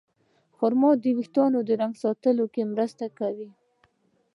خرما د ویښتو د رنګ ساتلو کې مرسته کوي.